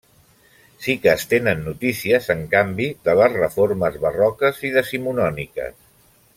Sí que es tenen notícies, en canvi, de les reformes barroques i decimonòniques.